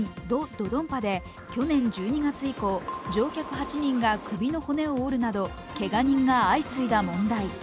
・ドドンパで去年１２月以降、乗客８人が首の骨を折るなどけが人が相次いだ問題。